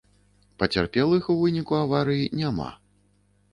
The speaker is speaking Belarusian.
Пацярпелых у выніку аварыі няма.